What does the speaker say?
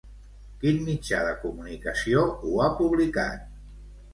Quin mitjà de comunicació ho ha publicat?